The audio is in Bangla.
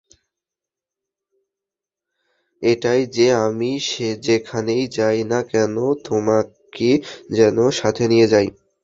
এটাই যে, আমি যেখানেই যাই না কেন, তোমাকে যেন সাথে নিয়ে যাই।